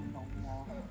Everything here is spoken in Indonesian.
nanti aku bela